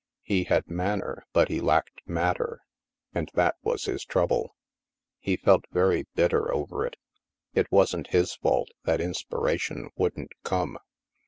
He had manner, but he lacked matter, and that was his trouble. He felt very bitter over it. It wasn't his fault that inspiration wouldn't come.